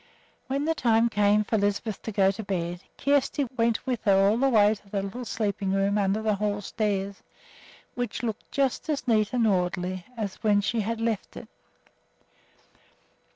When the time came for Lisbeth to go to bed, Kjersti went with her all the way to the little sleeping room under the hall stairs, which looked just as neat and orderly as when she had left it.